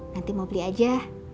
nanti mau beli aja